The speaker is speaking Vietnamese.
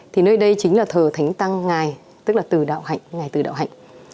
thì nơi đây chính là thờ thánh tăng ngài tức là từ đạo hạnh ngài từ đạo hạnh